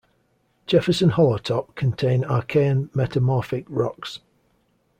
Jefferson-Hollowtop contain Archean metamorphic rocks.